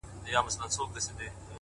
نن مي له زلمیو په دې خپلو غوږو واورېده!!